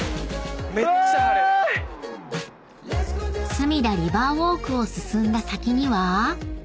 ［すみだリバーウォークを進んだ先には？］